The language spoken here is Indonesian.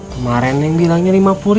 kemaren neng bilangnya lima puluh